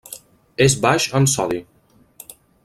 És baix en sodi.